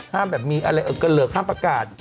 ห้ามแบบมีอะไรเกลิกห้ามประกาศ